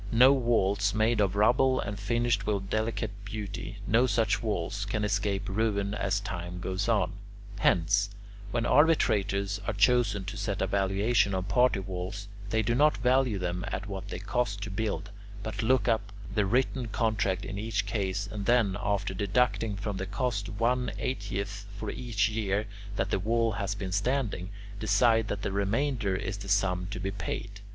No walls made of rubble and finished with delicate beauty no such walls can escape ruin as time goes on. Hence, when arbitrators are chosen to set a valuation on party walls, they do not value them at what they cost to build, but look up the written contract in each case and then, after deducting from the cost one eightieth for each year that the wall has been standing, decide that the remainder is the sum to be paid.